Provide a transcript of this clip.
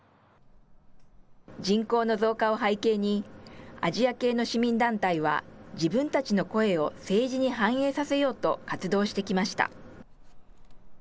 人口の増加を背景に、アジア系の市民団体は自分たちの声を政治に反映させようと活動してきました。